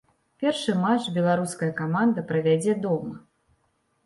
Першы матч беларуская каманда правядзе дома.